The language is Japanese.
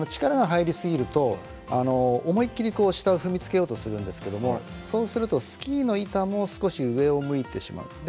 力が入り過ぎると思いっきり下を踏みつけようとするんですけどもそうするとスキーの板も少し上を向いてしまう。